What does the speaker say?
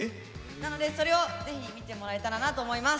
なのでそれをぜひ見てもらえたらなと思います。